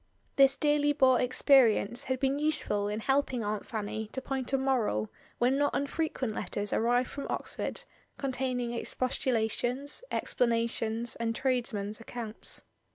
This dearly bought experience had been useful in helping Aunt Fanny to point a moral when not unfrequent letters arrived from Ox ford containing expostulations, explanations, and tradesmen's accounts.